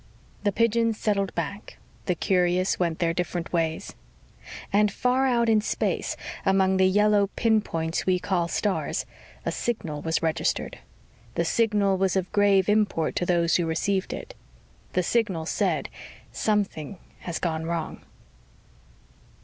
The pigeons settled back. The curious went their different ways. And far out in space, among the yellow pinpoints we call stars, a signal was registered. The signal was of grave import to those who received it. The signal said, _Something has gone wrong.